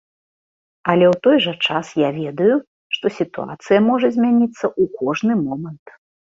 Але ў той жа час я ведаю, што сітуацыя можа змяніцца ў кожны момант.